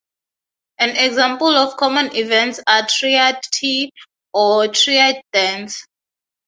An example of common events are a Triad Tea or a Triad Dance.